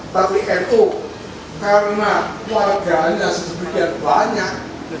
tapi npo karena warganya sebegian banyak